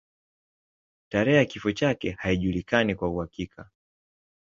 Tarehe ya kifo chake haijulikani kwa uhakika.